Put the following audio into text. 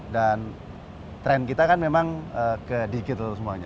dan trend kita kan memang ke digital semuanya